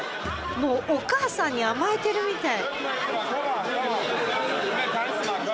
もうお母さんに甘えてるみたい。